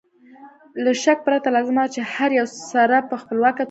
له شک پرته لازمه ده چې د هر یو سره په خپلواکه توګه